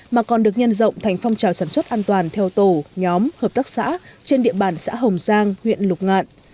mà còn được nhân rộng thành phong trào sản xuất an toàn theo tổ nhóm hợp tác xã trên địa bàn xã hồng giang huyện lục ngạn